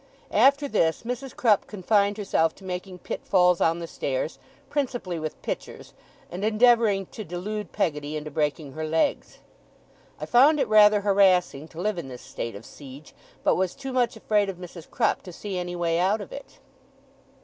After this, Mrs. Crupp confined herself to making pitfalls on the stairs, principally with pitchers, and endeavouring to delude Peggotty into breaking her legs. I found it rather harassing to live in this state of siege, but was too much afraid of Mrs. Crupp to see any way out of it.